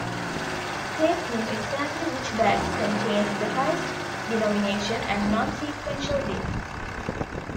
Pace knew exactly which bags contained the highest denomination and non-sequential bills.